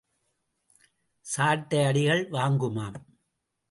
சாட்டை அடிகள் வாங்குமாம்.